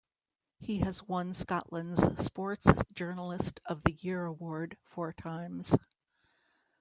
He has won Scotland's Sports Journalist of the Year award four times.